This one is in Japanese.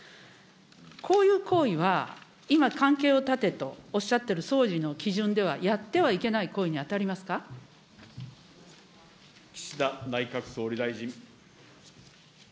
こういう行為は、今、関係を断てとおっしゃってる総理の基準では、やってはいけない行岸田内閣総理大臣。